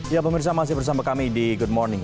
ya pemirsa masih bersama kami di good morning